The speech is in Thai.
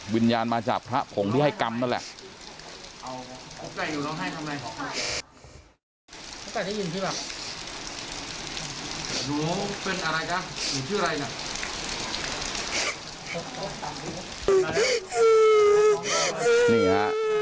วิญญาณมาจากพระผงที่ให้กรรมนั่นแหละ